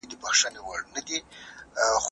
زه د خپلو لوښو په مینځلو بوخت یم.